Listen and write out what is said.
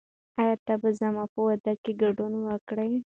آیا ته به زما په واده کې ګډون وکړې؟